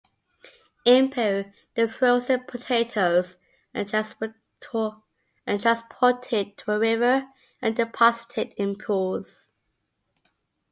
In Peru, the frozen potatoes are transported to a river, and deposited in pools.